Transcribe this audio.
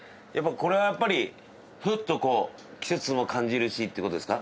これはやっぱりふっとこう季節も感じるしっていう事ですか？